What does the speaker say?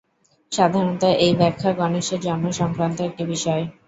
সাধারণত, এই ব্যাখ্যা গণেশের জন্ম-সংক্রান্ত একটি বিষয়।